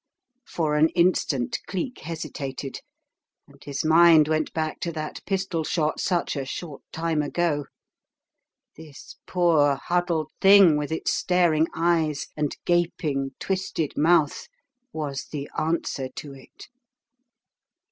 For an instant Cleek hesitated, and his mind went back to that pistol shot such a short time ago. This poor huddled Thing with its staring eyes and gaping, twisted mouth was the answer to it.